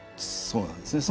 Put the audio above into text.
そうなんですね。